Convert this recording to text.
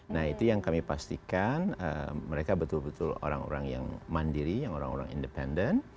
nah itu yang kami pastikan mereka betul betul orang orang yang mandiri yang orang orang independen